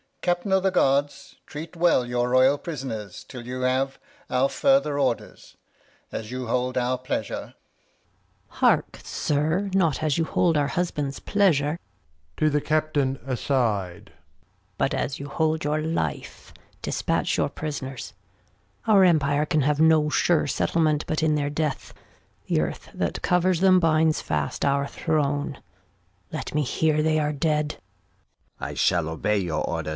Captain o' th'Guards, Treat weU your royal Prisoners 'till you have Our farther Orders, as you hold our Pleasure. R 242 The History of [Act v Gon. Heark! Sir, not as you hold our Husband's Pleasure. \To the Captain aside. But as you hold your Life, dispatch your Pris'ners. Our Empire can have no sure Settlement But in their Death, the Earth that covers them Binds fast our Throne. Let me hear they are dead. Capt. I shall obey your Orders.